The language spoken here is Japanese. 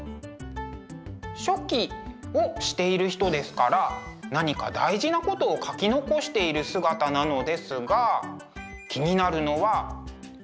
書記をしている人ですから何か大事なことを書き残している姿なのですが気になるのはこの顔。